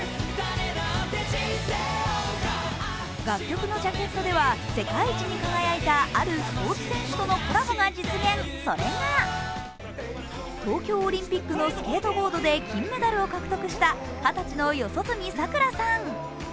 楽曲のジャケットでは、世界一に輝いたあるスポーツ選手とのコラボが実現、それは東京オリンピックのスケートボードで金メダルを獲得した二十歳の四十住さくらさん。